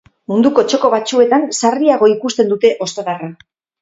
Munduko txoko batzuetan sarriago ikusten dute ostadarra.